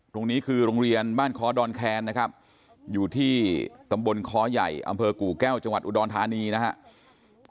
โรงเรียนคือโรงเรียนบ้านคอดอนแคนนะครับอยู่ที่ตำบลคอใหญ่อำเภอกู่แก้วจังหวัดอุดรธานีนะครับ